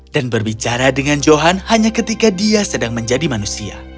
dan berbicara dengan johan hanya ketika dia sedang menjadi manusia